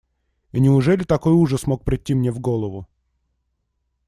И неужели такой ужас мог прийти мне в голову?